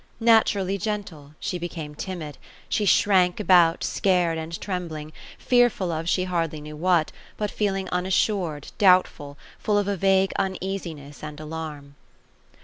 Naturally gentle, she became timid. She shrank about, scared, and trembling ; fearful of she hardly knew what, but feeling unassured, doubtful, full of a vague uneasiness and alarm.